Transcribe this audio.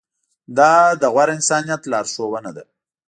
دا د غوره انسانیت لارښوونه ده.